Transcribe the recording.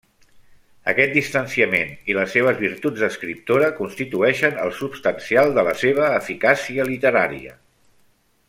Aquest distanciament, i les seves virtuts d'escriptora, constitueixen el substancial de la seva eficàcia literària.